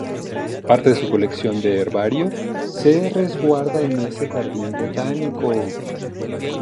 Parte de su colección de herbario se resguarda en ese Jardín botánico.